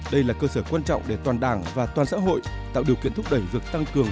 đây là cơ sở quan trọng để toàn đảng và toàn xã hội tạo điều kiện thúc đẩy việc tăng cường